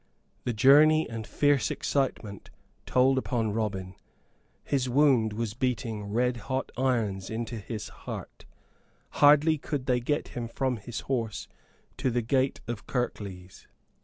The journey and fierce excitement told upon Robin. His wound was beating red hot irons into his heart; hardly could they get him from his horse to the gate of Kirklees.